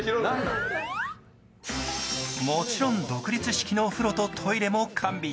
もちろん独立式のお風呂とトイレも完備